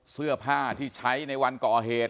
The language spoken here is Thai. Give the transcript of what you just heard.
เสื้อผ้าที่ใช้ในวันก่อเหตุ